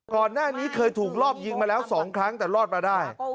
ก่อนหน้านี้เคยถูกรอบยิงมาแล้ว๒ครั้งแต่รอดมาได้